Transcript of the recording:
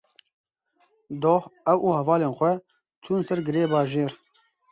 Doh ew û hevalên xwe çûn ser girê bajêr.